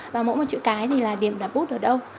và mỗi một chữ cái thì là điểm đặt bút ở đâu